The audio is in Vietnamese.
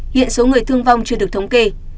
hiện số người thương vong chưa được thống kê